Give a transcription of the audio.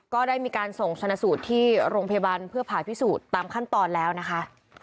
ก็ได้มีการส่งชนะสูตรที่โรงพยาบาลเพื่อผ่าพิสูจน์ตามขั้นตอนแล้วนะคะ